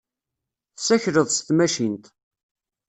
Tessakleḍ s tmacint.